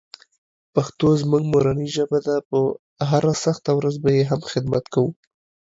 پښتو زموږ مورنۍ ژبه ده، په هره سخته ورځ به یې هم خدمت کوو.